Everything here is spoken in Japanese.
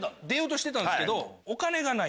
出ようとしてたんですけど。